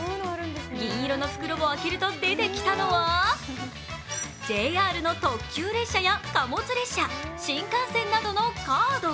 銀色の袋を開けると出てきたのはＪＲの特急列車や貨物列車、新幹線などのカード。